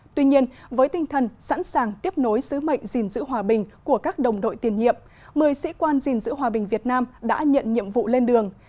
tuy nhiên với tinh thần sẵn sàng tiếp nối sứ mệnh gìn giữ hòa bình của các đồng đội tiền nhiệm một mươi sĩ quan gìn giữ hòa bình việt nam đã nhận nhiệm vụ lên đường